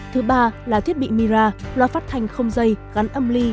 thứ ba là thiết bị mira loa phát thanh không dây gắn âm ly